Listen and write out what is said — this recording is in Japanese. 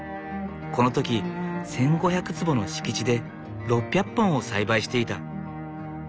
この時１，５００坪の敷地で６００本を栽培していた。